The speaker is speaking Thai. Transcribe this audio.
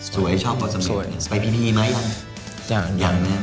ประตาม้วง